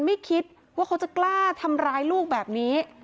ไม่คิดว่าเขาจะกล้าทำร้ายลูกแบบนี้